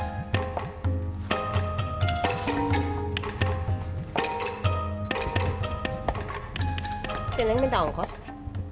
bapak tega neng pergi jalan kaki